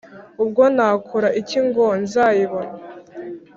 ubwo nakora iki ngo nzayibone?